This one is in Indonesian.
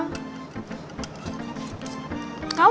makasih ya samuel